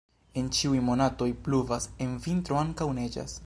En ĉiuj monatoj pluvas, en vintro ankaŭ neĝas.